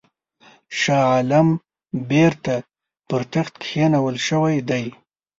شاه عالم بیرته پر تخت کښېنول شوی دی.